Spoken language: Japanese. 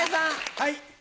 はい。